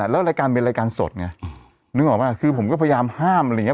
แล้วรายการเป็นรายการสดไงนึกออกป่ะคือผมก็พยายามห้ามอะไรอย่างเง